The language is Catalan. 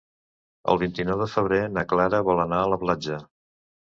El vint-i-nou de febrer na Clara vol anar a la platja.